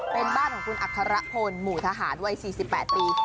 เป็นบ้านของคุณอัครพลหมู่ทหารวัย๔๘ปี